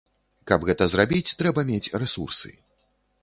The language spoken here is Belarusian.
Каб гэта зрабіць, трэба мець рэсурсы.